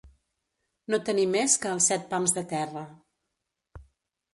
No tenir més que els set pams de terra.